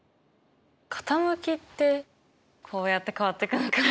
傾きってこうやって変わってくのかな？